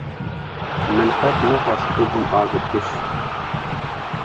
Min qet nexwest bibim agirkuj.